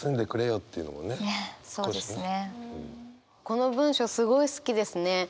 この文章すごい好きですね。